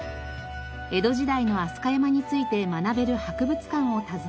江戸時代の飛鳥山について学べる博物館を訪ねると。